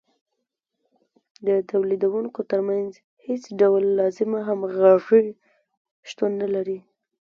د تولیدونکو ترمنځ هېڅ ډول لازمه همغږي شتون نلري